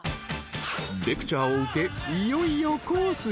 ［レクチャーを受けいよいよコースへ］